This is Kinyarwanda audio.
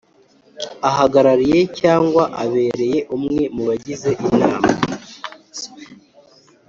Ahagarariye cyangwa abereye umwe mu bagize inama